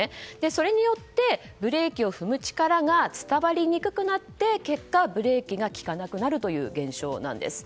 それによってブレーキを踏む力が伝わりにくくなって結果、ブレーキが利かなくなる現象なんです。